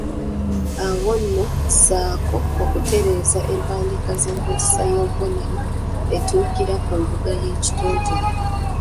Awo nno zzaako okutereeza empandiika n’enkozesa y’obubonero etuukira ku nvuga y’ekitontome.